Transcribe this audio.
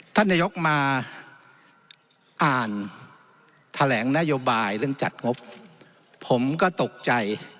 ท่านนายกมาอ่านแถลงนโยบายเรื่องจัดงบผมก็ตกใจ